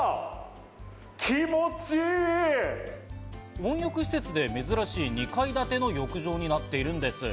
温浴施設で珍しい２階建ての浴場になっているんです。